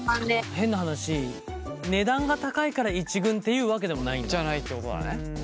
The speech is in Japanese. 変な話値段が高いから１軍っていうわけでもないんだ？じゃないってことだね。